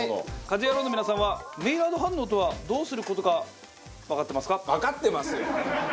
『家事ヤロウ！！！』の皆さんはメイラード反応とはどうする事かわかってますか？